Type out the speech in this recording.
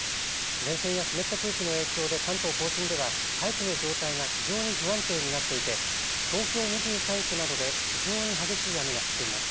前線や湿った空気の影響で関東甲信では大気の状態が非常に不安定になっていて東京２３区などで非常に激しい雨が降っています。